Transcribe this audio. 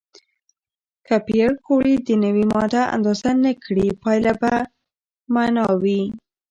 که پېیر کوري د نوې ماده اندازه نه کړي، پایله به بې معنا وي.